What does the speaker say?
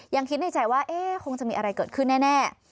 ยังคิดในใจว่าคงจะมีอะไรเกิดขึ้นแน่